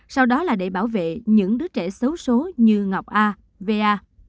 sau đó là để bảo vệ những đứa trẻ xấu xố như ngọc a v a